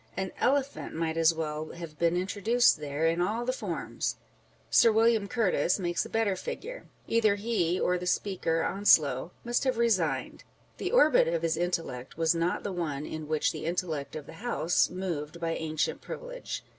An elephant might as well have been introduced there, in all the forms : Sir William Curtis makes a better figure. Either he or the Speaker (Onslow) must have resigned. The orbit of his intellect was not the one in which the intellect of the House moved by ancient privilege.